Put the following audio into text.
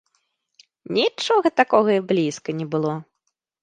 Нічога такога і блізка не было.